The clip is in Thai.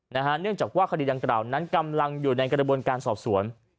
เนื่องจากว่าคดีดังกล่าวนั้นกำลังอยู่ในกระบวนการสอบสวน